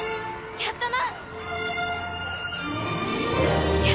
やったな。